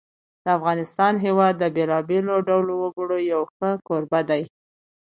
د افغانستان هېواد د بېلابېلو ډولو وګړو یو ښه کوربه دی.